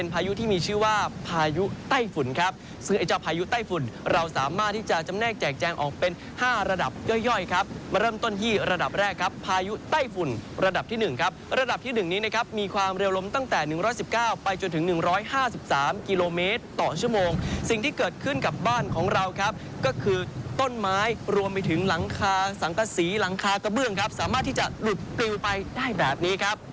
แน่แจกแจกแจงออกเป็น๕ระดับย่อยครับมาเริ่มต้นที่ระดับแรกครับภายุไต้ฝุ่นระดับที่๑ครับระดับที่๑มีความเร็วล้มตั้งแต่๑๑๙ไปจนถึง๑๕๓กิโลเมตรต่อชั่วโมงสิ่งที่เกิดขึ้นกับบ้านของเราครับก็คือต้นไม้รวมไปถึงหลังคาสังกษีหลังคากะเบื้องครับสามารถที่จะหลุดปริวไป